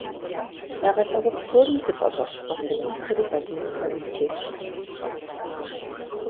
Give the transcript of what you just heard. Ягъэлъагъуэ псори зыфӏэщӏэщыгъуэ сабийхэри балигъхэри техникэм епщӏат.